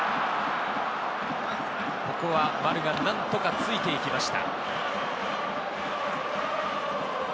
ここは丸が何とかついていきました。